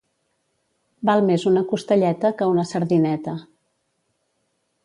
Val més una costelleta que una sardineta.